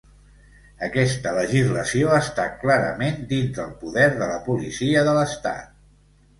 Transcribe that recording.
Aquesta legislació està clarament dins del poder de la policia de l'estat.